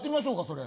それ。